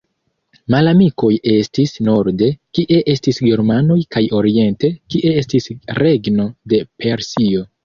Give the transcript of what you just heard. Malamikoj estis norde, kie estis germanoj kaj oriente, kie estis regno de Persio.